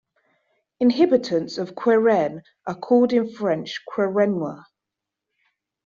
Inhabitants of Querrien are called in French "Querriennois".